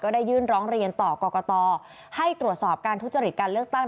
ได้ยื่นร้องเรียนต่อกรกตให้ตรวจสอบการทุจริตการเลือกตั้ง